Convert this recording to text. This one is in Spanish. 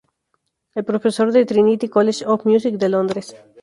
Es profesor del Trinity College of Music de Londres.